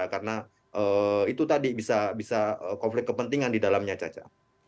karena itu tadi bisa konflik kepentingan di dalamnya caca